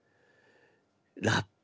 ラップ